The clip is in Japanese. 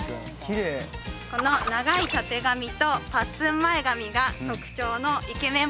この長いたてがみとパッツン前髪が特徴のイケメン